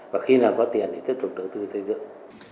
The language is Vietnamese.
và khi nào có tiền thì tiếp tục đầu tư xây dựng